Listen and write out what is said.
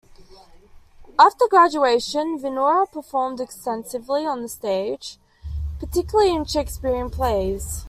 After graduation, Venora performed extensively on the stage, particularly in Shakespearean plays.